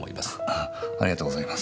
ありがとうございます。